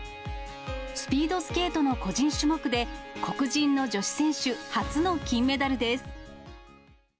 スピードスケートの個人種目で、黒人の女子選手初の金メダルです。